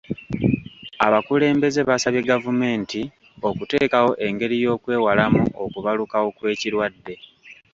Abakulembeze basabye gavumenti okuteekawo engeri y'okwewalamu okubalukawo kw'ekirwadde.